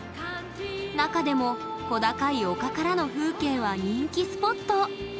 中でも小高い丘からの風景は人気スポット。